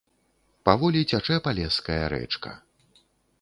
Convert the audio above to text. Паволі цячэ палеская рэчка.